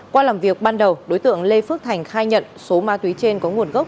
qua làm việc ban đầu đối tượng lê phước thành khai nhận số ma túy trên có nguồn gốc